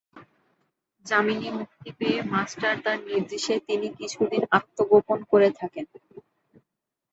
জামিনে মুক্তি পেয়ে মাস্টার দার নির্দেশে তিনি কিছু দিন আত্মগোপন করে থাকেন।